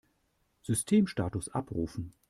Systemstatus abrufen!